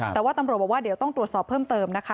แต่ว่าตำรวจบอกว่าเดี๋ยวต้องตรวจสอบเพิ่มเติมนะคะ